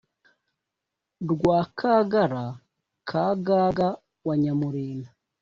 Rwakagara ka Gaga wa nyamurinda